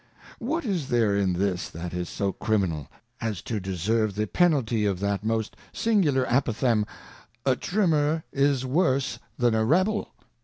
What is there in this that is so Criminal, as to deserve the Penalty of that most singular Apophthegm, A Trimmer is worse than a Rebel